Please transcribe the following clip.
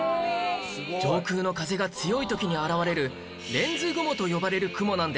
上空の風が強い時に現れるレンズ雲と呼ばれる雲なんです